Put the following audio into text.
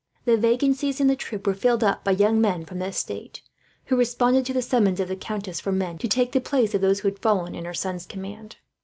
The vacancies in the troop were filled up by young men from the estate, who responded to the summons, of the countess, for men to take the place of those who had fallen in her son's command.